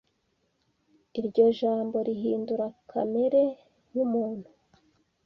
Iryo Jambo rihindura kamere y’umuntu